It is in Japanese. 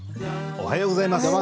おはようございます。